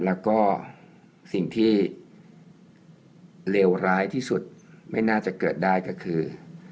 แล้วก็สิ่งที่เลวร้ายที่สุดไม่น่าจะเกิดได้ก็คือ